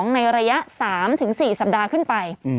ในระยะ๓๔สัปดาห์ขึ้นไป